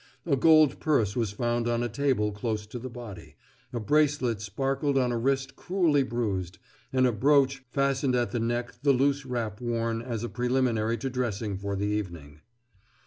A gold purse was found on a table close to the body, a bracelet sparkled on a wrist cruelly bruised, and a brooch fastened at the neck the loose wrap worn as a preliminary to dressing for the evening.